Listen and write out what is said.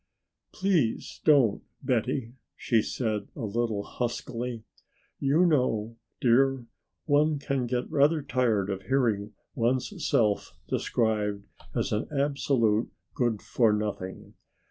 "Please don't, Betty," she said a little huskily. "You know, dear, one can get rather tired of hearing one's self described as an absolute good for nothing.